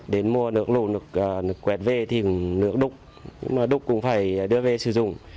đến mua nước lụt nước quẹt về thì nước đục cũng phải đưa về sử dụng